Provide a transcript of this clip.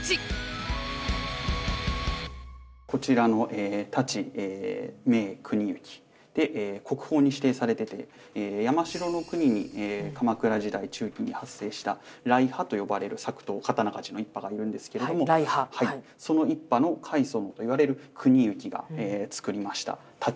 こちらの「太刀銘国行」で国宝に指定されてて山城国に鎌倉時代中期に発生した来派と呼ばれる作刀刀鍛冶の一派がいるんですけれどもその一派の開祖といわれる国行が作りました太刀ですね。